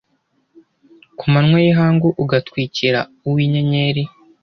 ku manywa y’ihangu ugatwikira uw’inyenyeri